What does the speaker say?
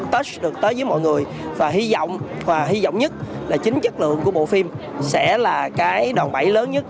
tost được tới với mọi người và hy vọng và hy vọng nhất là chính chất lượng của bộ phim sẽ là cái đòn bẫy lớn nhất